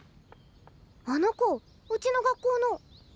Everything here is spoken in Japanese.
あの子うちの学校の。